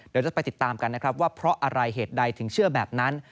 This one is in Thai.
เดี๋ยวจะไปติดตามกันนะครับว่าเพราะอะไรเหตุใดถึงเชื่อแบบนั้น